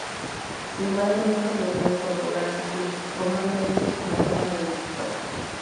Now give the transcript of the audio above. Sin embargo nunca logró incorporarse formalmente a la Cámara de Diputados.